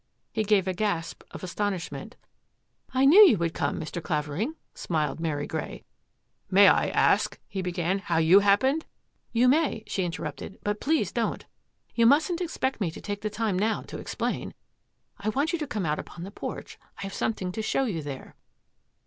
He gave a gasp of astonish ment. " I knew you would come, Mr. Clavering," smiled Mary Grey. " May I ask," he began, " how you hap pened —"" You may," she interrupted, " but please ' don't! You mustn't expect me to take the time now to explain. I want you to come out upon the porch. I have something to show you there."